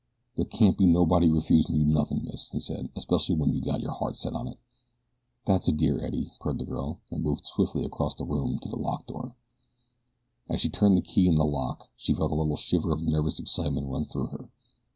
"There can't nobody refuse you nothin', miss," he said; "'specially when you got your heart set on it." "That's a dear, Eddie," purred the girl, and moved swiftly across the room to the locked door. As she turned the key in the lock she felt a little shiver of nervous excitement run through her.